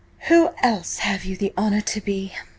"Who else have you the honour to be?"